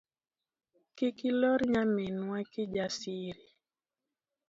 Kiki lor nyaminwa Kijasiri.